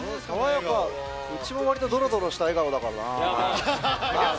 うちもわりとドロドロした笑顔だからな。